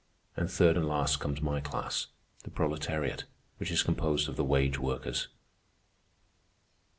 And third and last comes my class, the proletariat, which is composed of the wage workers.